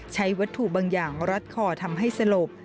ใช้วัตถุบางอย่างรัดคอทำให้สลบ